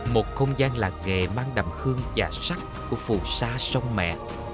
một không gian lạc nghệ mang đầm hương và sắc của phù sa sông mẹ